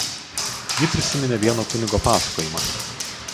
Ji prisiminė vieno kunigo pasakojimą.